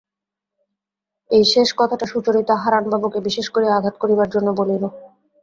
এই শেষ কথাটা সুচরিতা হারানবাবুকে বিশেষ করিয়া আঘাত করিবার জন্যই বলিল।